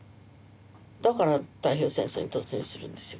だから太平洋戦争に突入するんですよ。